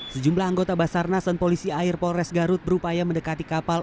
sejumlah anggota basarnas dan polisi air polres garut berupaya mendekati kapal